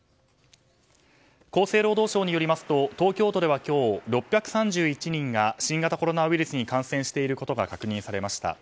厚生労働省によりますと東京では今日６３１人が新型コロナウイルスに感染していることが確認されました。